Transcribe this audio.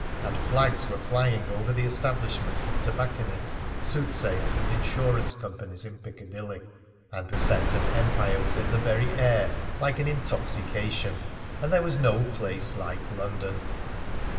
And flags were flying over the establishments of tobacconists, soothsayers, and insurance companies in Piccadilly. And the sense of empire was in the very air, like an intoxication. And there was no place like London.